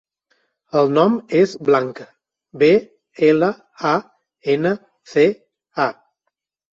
El nom és Blanca: be, ela, a, ena, ce, a.